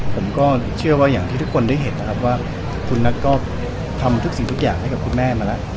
ผมก็เชื่อว่าอย่างที่ทุกคนได้เห็นนะครับว่าคุณนัทก็ทำทุกสิ่งทุกอย่างให้กับคุณแม่มาแล้ว